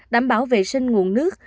ba đảm bảo vệ sinh nguồn nước